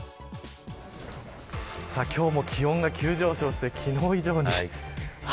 今日も気温が急上昇して昨日以上に。